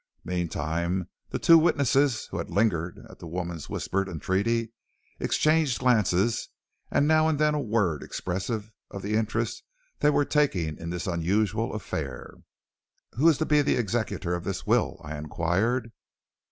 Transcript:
Meantime the two witnesses who had lingered at the woman's whispered entreaty exchanged glances, and now and then a word expressive of the interest they were taking in this unusual affair. "'Who is to be the executor of this will?' I inquired.